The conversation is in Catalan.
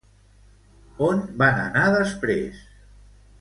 On van anar després?